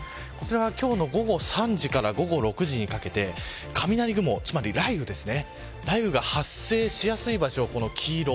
こちらが今日の午後３時から午後６時にかけて雷雲つまり雷雨が発生しやすい場所を黄色。